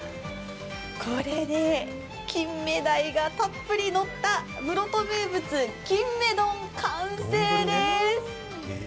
これでキンメダイがたっぷりのった室戸名物キンメ丼、完成です。